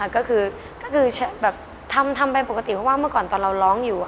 ก็คือแบบทำไปปกติเพราะว่าเมื่อก่อนตอนเราร้องอยู่